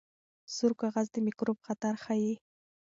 سور کاغذ د میکروب خطر ښيي.